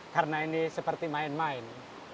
karena ini seperti main main